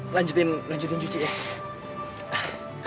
lanjutin lanjutin cuci ya